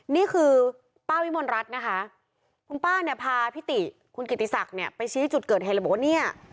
นี่คือป้าวิมวลรัฐนะคะคุณป้าเนี่ยพาพี่ติคุณกิตติศักดิ์เนี่ยไปชี้จุดเกิดแฮลโบเนีย